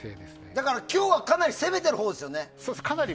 だから今日はかなり攻めているほうですよね。